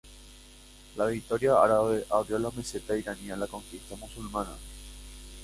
La victoria árabe abrió la meseta iraní a la conquista musulmana.